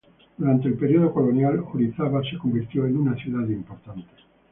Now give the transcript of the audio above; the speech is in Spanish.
Durante el período colonial, Orizaba se convirtió en una ciudad importante.